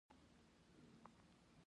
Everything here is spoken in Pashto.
د کليوالو خولې خو اوس هم نه شې بندولی.